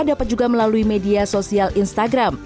dapat juga melalui media sosial instagram